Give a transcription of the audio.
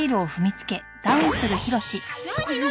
何何？